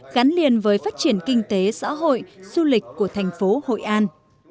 gắn liền với phát triển kinh tế xã hội du lịch của thành phố hội an